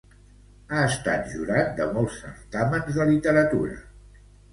Ha estat jurat de molts certàmens de literatura.